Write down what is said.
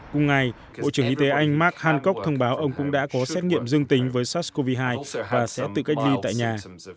cùng ngày bộ trưởng y tế anh mark hankok thông báo ông cũng đã có xét nghiệm dương tính với sars cov hai và sẽ tự cách ly tại nhà